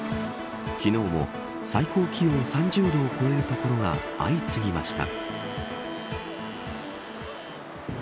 昨日も最高気温３０度を超える所が相次ぎました。